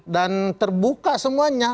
dan terbuka semuanya